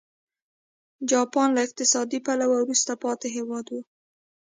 جاپان له اقتصادي پلوه وروسته پاتې هېواد و.